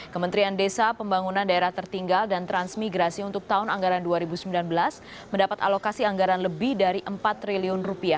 kementerian desa pembangunan daerah tertinggal dan transmigrasi untuk tahun anggaran dua ribu sembilan belas mendapat alokasi anggaran lebih dari rp empat triliun